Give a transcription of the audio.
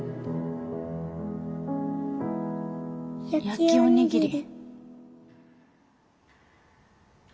焼きおにぎり。